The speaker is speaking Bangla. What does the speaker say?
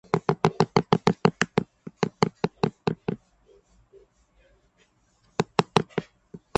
এটি মাদানী সূরা।